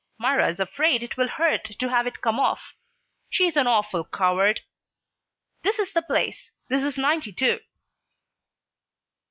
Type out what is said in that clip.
Myra is afraid it will hurt to have it come off. She's an awful coward. This is the place. This is Ninety two."